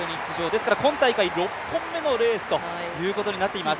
ですから今大会６本目のレースということになっています。